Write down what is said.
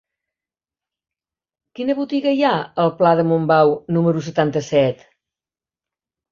Quina botiga hi ha al pla de Montbau número setanta-set?